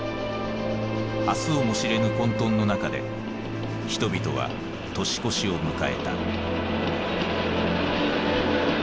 明日をも知れぬ混沌の中で人々は年越しを迎えた。